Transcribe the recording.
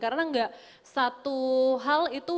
karena gak satu hal itu